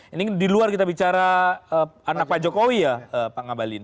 ini di luar kita bicara anak pak jokowi ya pak ngabalin